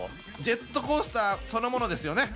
ジェットコースターそのものですよね。